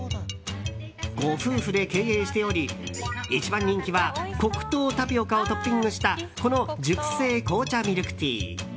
ご夫婦で経営しており一番人気は黒糖タピオカをトッピングしたこの熟成紅茶ミルクティー。